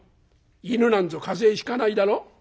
犬なんぞ風邪ひかないだろ？」。